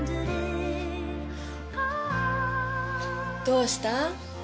どうした？